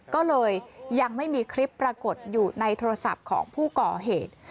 ก็เลยยังไม่มีคลิปปรากฏอยู่ในโทรศัพท์ของผู้ก่อเหตุ